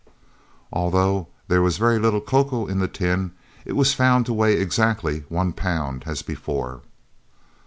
Although there was very little cocoa in the tin, it was found to weigh exactly one pound as before.